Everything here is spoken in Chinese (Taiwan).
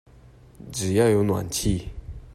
只要有暖氣